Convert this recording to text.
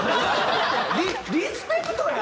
リスペクトや！